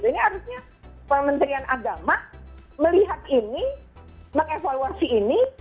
jadi ini harusnya pemerintah agama melihat ini mengevaluasi ini